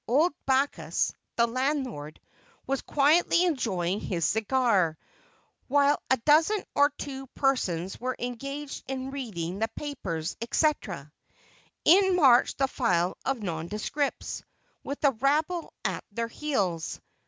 Old Backus, the landlord, was quietly enjoying his cigar, while a dozen or two persons were engaged in reading the papers, etc. In marched the file of nondescripts, with the rabble at their heels.